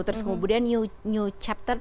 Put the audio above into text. terus kemudian new chapter